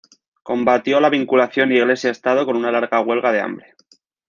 Combatió la vinculación Iglesia-Estado con una larga huelga de hambre.